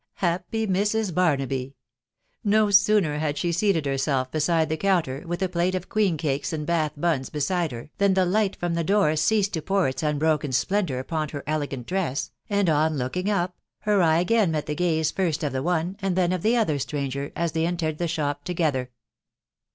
Happy Barnaby I ►... No sooner had she seated herself beside the counter, with a plate of queencakes and Bath buna beside her, than the light from the door ceased to pour its unbroken splen dour upon her elegant dress, and on looking up, her eye sgain» met the gaze first of the one, and then of the other stranger^ as they entered the shop together.